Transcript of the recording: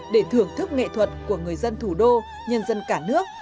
để thưởng thức nghệ thuật của người dân thủ đô nhân dân cả nước